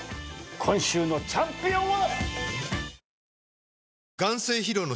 今週のチャンピオンは。